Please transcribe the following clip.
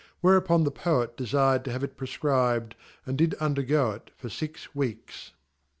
whereuponjhePoet de fired to have it prefcribed, and did undergo it for fix weeks.